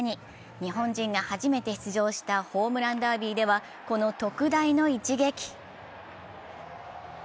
日本人が初めて出場したホームランダービーでは、この特大の一撃。